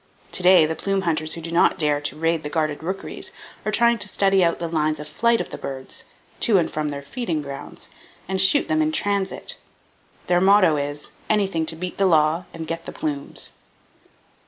To day, the plume hunters who do not dare to raid the guarded rookeries are trying to study out the lines of flight of the birds, to and from their feeding grounds, and shoot them in transit. Their motto is—"Anything to beat the law, and get the plumes."